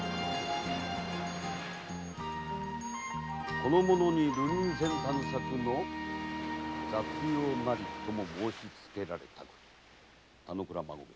「この者に流人船探索の雑用なりとも申しつけられたく田之倉孫兵衛」。